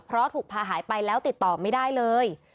เพราะถูกพาหายไปแล้วติดต่อไม่ได้เลย